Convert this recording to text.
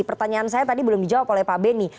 pertanyaan saya tadi belum dijawab oleh pak beni